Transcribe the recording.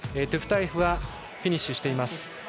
トゥフタエフはフィニッシュしています。